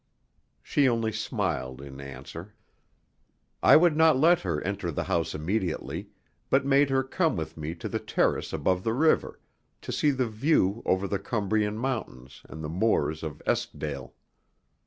She only smiled in answer. I would not let her enter the house immediately, but made her come with me to the terrace above the river, to see the view over the Cumbrian mountains and the moors of Eskdale.